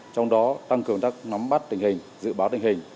trong đó tăng cường các ngắm bắt tình hình dự báo tình hình